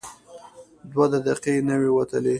دوه دقیقې نه وې وتلې.